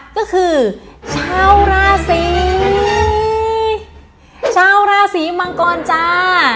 ก็คือชาวราศีชาวราศีมังกรจ้า